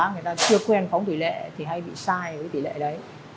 người ta chưa quên phóng tỷ lệ thì hay bị sai với tỷ lệ đấy